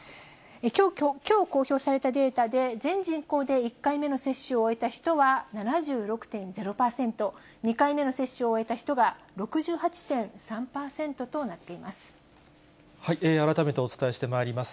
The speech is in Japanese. きょう公表されたデータで、全人口で１回目の接種を終えた人は７６．０％、２回目の接種を終えた人が６８．３％となっています。